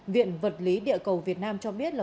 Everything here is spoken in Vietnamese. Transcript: viện vật lý địa cầu việt nam cho biết